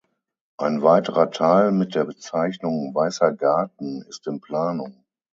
Ein weiterer Teil mit der Bezeichnung Weißer Garten ist in Planung.